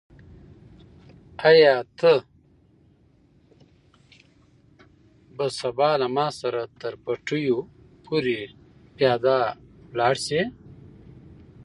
آیا ته به سبا له ما سره تر پټیو پورې پیاده لاړ شې؟